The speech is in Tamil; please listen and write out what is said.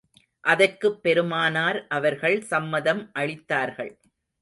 அதற்குப் பெருமானார் அவர்கள் சம்மதம் அளித்தார்கள்.